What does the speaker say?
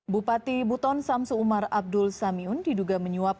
bupati buton samsu umar abdul samiun diduga menyuap